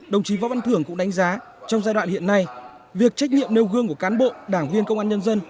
đồng chí võ văn thưởng cũng đánh giá trong giai đoạn hiện nay việc trách nhiệm nêu gương của cán bộ đảng viên công an nhân dân